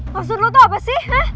maksud lo tuh apa sih